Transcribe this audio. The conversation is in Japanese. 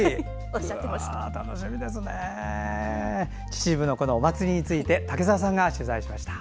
秩父のお祭りについて竹澤さんが取材しました。